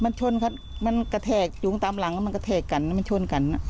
มันชนครับมันกระแทกจูงตามหลังมันกระแทกกันมันชนกัน